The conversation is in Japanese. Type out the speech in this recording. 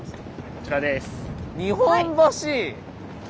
こちらです。